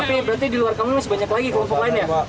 tapi berarti di luar kami masih banyak lagi kelompok lain ya